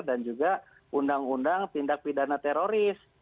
dan juga undang undang tindak pidana teroris